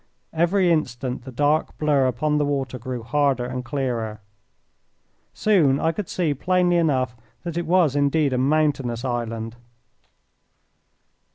Every instant the dark blur upon the water grew harder and clearer. Soon I could see plainly enough that it was indeed a mountainous island.